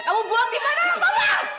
kamu buang di mana lho bapak